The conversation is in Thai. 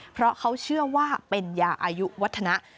เพราะเขาเชื่อว่าเป็นยาอายุวัฒนะ